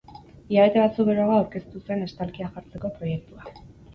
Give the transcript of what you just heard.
Hilabete batzuk geroago aurkeztu zen estalkia jartzeko proiektua.